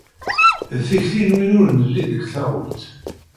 D tikti n win ur nelli deg taɣult.